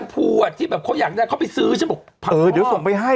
ไม่เดี๋ยวส่งไปให้เดี๋ยวส่งไปให้